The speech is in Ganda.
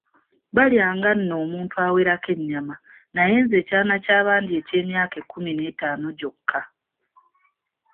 Balyanga nno omuntu awerako ennyama, naye nze ekyana kya bandi eky’emyaka ekkumi n’etaano gyokka.